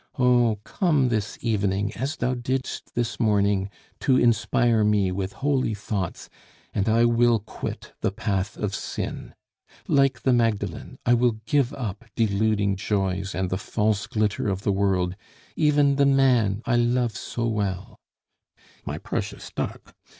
Oh, come this evening, as thou didst this morning, to inspire me with holy thoughts, and I will quit the path of sin; like the Magdalen, I will give up deluding joys and the false glitter of the world, even the man I love so well " "My precious duck!"